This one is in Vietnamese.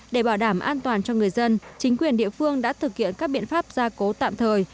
để bảo đảm an toàn cho người dân chính quyền địa phương đã thực hiện các biện pháp gia cố tạm thời